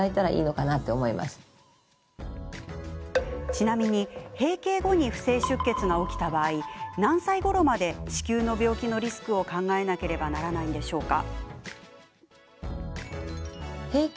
ちなみに閉経後に不正出血が起きた場合何歳ごろまで子宮の病気のリスクを考えなければならないのでしょうか？